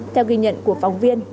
theo ghi nhận của phóng viên